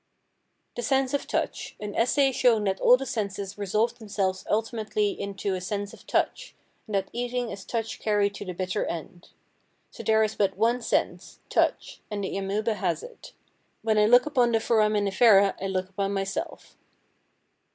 The Sense of Touch: An essay showing that all the senses resolve themselves ultimately into a sense of touch, and that eating is touch carried to the bitter end. So there is but one sense—touch—and the amœba has it. When I look upon the foraminifera I look upon myself.